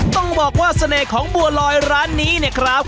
ต้องบอกว่าเสน่ห์ของบัวลอยร้านนี้เนี่ยครับ